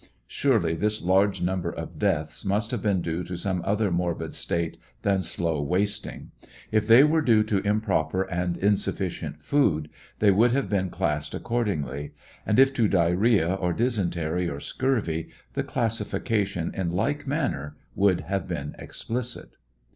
Surely this large number of deaths must have been due to some other morbid state than slow wasting. If they were due to improper and insuflScient food, they should have been classed accordingly, and if to diarrhea or dysentary or scurvy, the classification in like manner should have been explicit.